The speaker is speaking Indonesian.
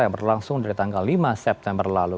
yang berlangsung dari tanggal lima september lalu